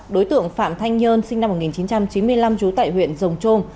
đối tượng phạm thanh nhơn sinh năm một nghìn chín trăm chín mươi năm trú tại huyện rồng trôm